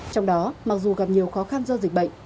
trong đó mặc dù gặp nhiều khó khăn do dịch bệnh